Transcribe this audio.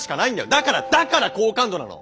だからだから好感度なの！